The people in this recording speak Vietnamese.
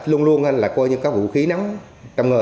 luôn luôn có vũ khí nắm